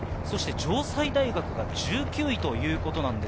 城西大学が１９位。